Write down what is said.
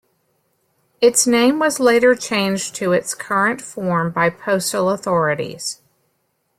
Its name was later changed to its current form by postal authorities.